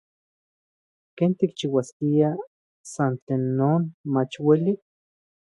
Ken tikchiuasnekiskia san tlen non mach ueli.